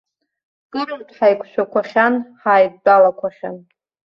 Кырынтә ҳаиқәшәақәахьан, ҳаидтәалақәахьан.